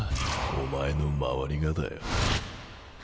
お前の周りがだよ。